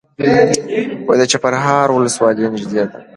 د چپرهار ولسوالۍ نږدې ده